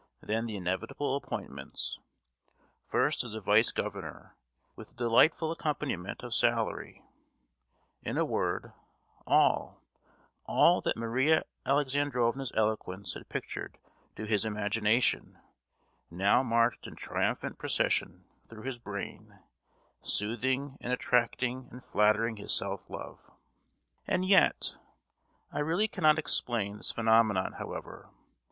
then the inevitable appointments, first as a vice governor, with the delightful accompaniment of salary: in a word, all, all that Maria Alexandrovna's eloquence had pictured to his imagination, now marched in triumphant procession through his brain, soothing and attracting and flattering his self love. And yet—(I really cannot explain this phenomenon, however!)